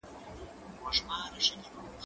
زه مخکي اوبه څښلې وې؟!